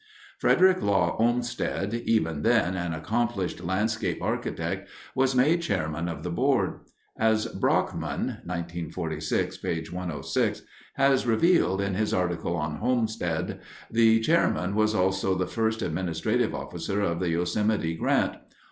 Frederick Law Olmsted, even then an accomplished landscape architect, was made chairman of the board. As Brockman (1946, p. 106) has revealed in his article on Olmsted, the chairman was also the first administrative officer of the Yosemite Grant.